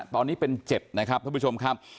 ตอนนี้เป็น๗นะครับท่านผู้ชมครับ